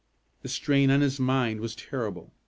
The strain on his mind was terrible.